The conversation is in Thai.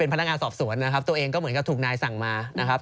พนักงานสอบสวนนะครับตัวเองก็เหมือนกับถูกนายสั่งมานะครับ